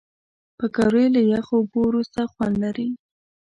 پکورې له یخو اوبو وروسته خوند لري